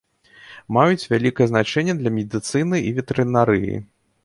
Маюць вялікае значэнне для медыцыны і ветэрынарыі.